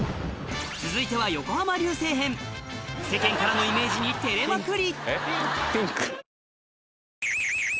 続いては世間からのイメージに照れまくり